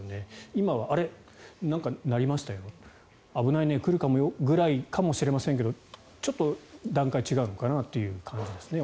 今は、あ、なんか鳴りましたよ危ないね、来るかもよぐらいかもしれませんがちょっと段階が違うのかなという感じですね。